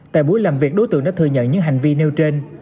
tại buổi làm việc đối tượng đã thừa nhận những hành vi nêu trên